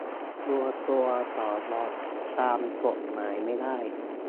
รวมตัวต่อรองตามกฎหมายไม่ได้